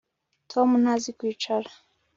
Tom ntazi kwicara